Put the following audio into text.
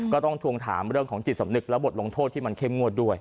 ทวงถามเรื่องของจิตสำนึกและบทลงโทษที่มันเข้มงวดด้วย